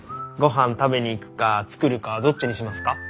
ごはん食べに行くか作るかどっちにしますか？